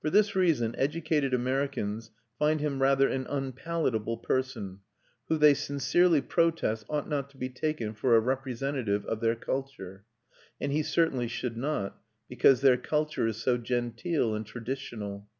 For this reason educated Americans find him rather an unpalatable person, who they sincerely protest ought not to be taken for a representative of their culture; and he certainly should not, because their culture is so genteel and traditional.